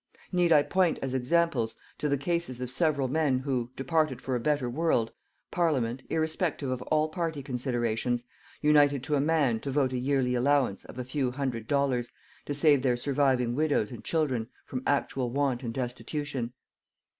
Need I point, as examples, to the cases of several men who, departed for a better world, Parliament, irrespective of all party considerations, united to a man to vote a yearly allowance of a few hundred dollars to save their surviving widows and children from actual want and destitution!